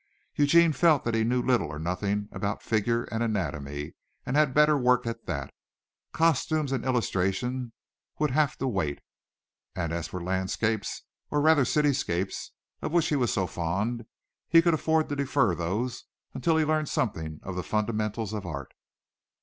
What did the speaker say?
Eugene felt that he knew little or nothing about figure and anatomy and had better work at that. Costume and illustration would have to wait, and as for the landscapes, or rather city scapes, of which he was so fond, he could afford to defer those until he learned something of the fundamentals of art.